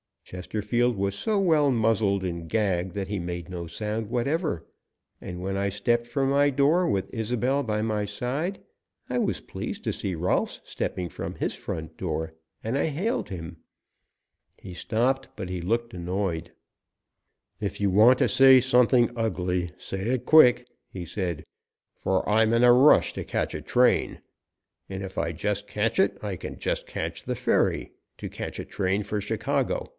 Chesterfield was so well muzzled and gagged that he made no sound whatever, and when I stepped from my door, with Isobel by my side, I was pleased to see Rolfs stepping from his front door, and I hailed him. He stopped, but he looked annoyed. "If you want to say anything ugly, say it quick," he said, "for I'm in a rush to catch a train, and if I just catch it, I can just catch the ferry, to catch a train for Chicago.